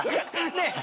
ねえ。